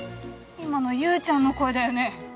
今の勇ちゃんの声だよね？